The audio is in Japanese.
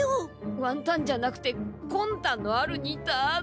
ワンタンじゃなくてこんたんのある「ニタッ」だ。